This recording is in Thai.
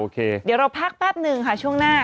เดี๋ยวเราพักแป๊บนึงค่ะช่วงหน้า